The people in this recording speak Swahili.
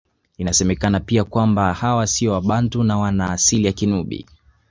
Inasemekana pia kwamba hawa siyo Wabantu na wana asili ya Kinubi